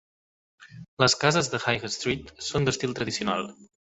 Les cases de High Street són d'estil tradicional.